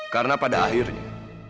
karena pada akhirnya